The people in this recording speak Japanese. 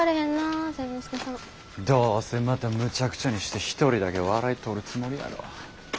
どうせまたむちゃくちゃにして一人だけ笑いとるつもりやろ。